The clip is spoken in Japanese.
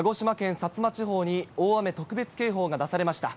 薩摩地方に大雨特別警報が出されました。